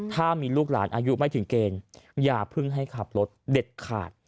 ถ้ามีลูกหลานอายุไม่ถึงเกณฑ์อย่าเพิ่งให้ขับรถเด็ดขาด